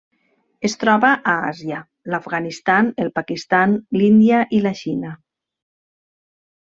Es troba a Àsia: l'Afganistan, el Pakistan, l'Índia i la Xina.